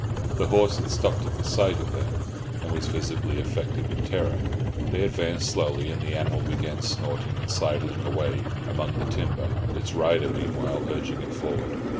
The horse had stopped at the sight of them, and was visibly affected with terror. They advanced slowly, and the animal began snorting and sidling away among the timber, its rider meanwhile urging it forward.